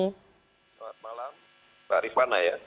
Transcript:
selamat malam pak ripana ya